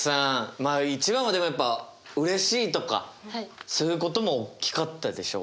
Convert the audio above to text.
まあ一番はでもやっぱうれしいとかそういうことも大きかったでしょう？